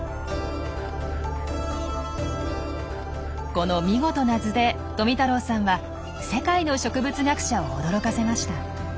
この見事な図で富太郎さんは世界の植物学者を驚かせました。